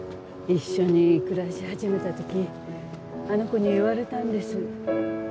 一緒に暮らし始めた時あの子に言われたんです。